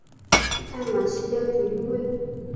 艾马希亚体育会。